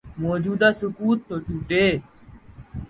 موجودہ سکوت تو ٹوٹے۔